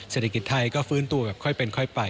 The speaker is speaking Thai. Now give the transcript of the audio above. เศรษฐกิจไทยก็ฟื้นตัวแบบค่อยเป็นค่อยไป